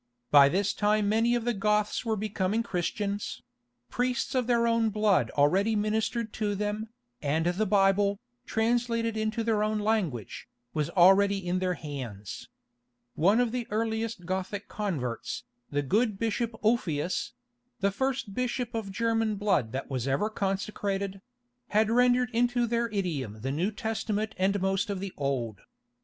By this time many of the Goths were becoming Christians: priests of their own blood already ministered to them, and the Bible, translated into their own language, was already in their hands. One of the earliest Gothic converts, the good Bishop Ulfilas—the first bishop of German blood that was ever consecrated—had rendered into their idiom the New Testament and most of the Old.